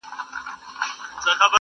نه بڼو یمه ویشتلی، نه د زلفو زولانه یم؛